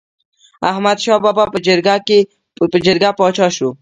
احمد شاه بابا په جرګه پاچا شو.